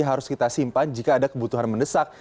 harus kita simpan jika ada kebutuhan mendesak